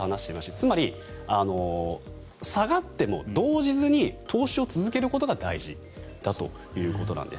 つまり、下がっても動じずに投資を続けることが大事だということなんです。